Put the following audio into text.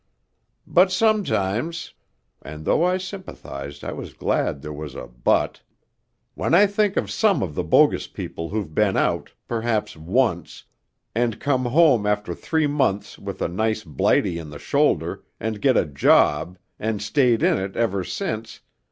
But sometimes' (and though I sympathized I was glad there was a 'but') 'when I think of some of the bogus people who've been out, perhaps once, and come home after three months with a nice blighty in the shoulder, and got a job, and stayed in it ever since